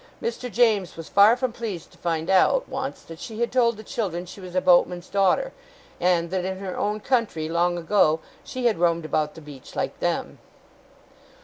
Mr. James was far from pleased to find out, once, that she had told the children she was a boatman's daughter, and that in her own country, long ago, she had roamed about the beach, like them.